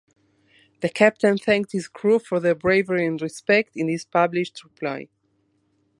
The captain thanked his crew for their bravery and respect in a published reply.